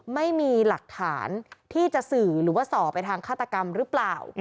ไม่มีหลักฐานที่จะสื่อหรือว่าส่อไปทางฆาตกรรมหรือเปล่า